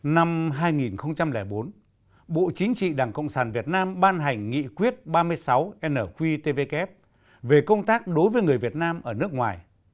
năm hai nghìn bốn bộ chính trị đảng cộng sản việt nam ban hành nghị quyết ba mươi sáu nqtvk về công tác đối với người việt nam ở nước ngoài